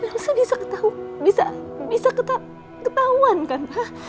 dan elsa bisa ketauan kan